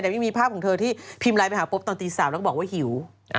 แต่ไม่มีภาพของเธอที่พิมพ์ไลน์ไปหาปุ๊บตอนตี๓แล้วก็บอกว่าหิว